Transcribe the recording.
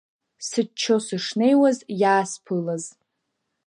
Сыччо сышнеиуаз иаасԥылаз…